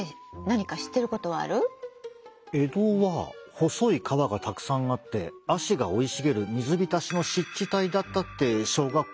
江戸は細い川がたくさんあってあしが生い茂る水浸しの湿地帯だったって小学校で習いましたよ。